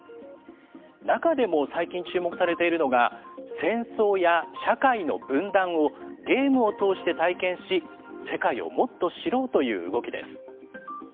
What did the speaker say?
中でも、最近注目されているのが戦争や社会の分断をゲームを通して体験し世界をもっと知ろうという動きです。